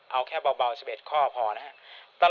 เอาแค่เบา๑๑ข้อพอนะครับ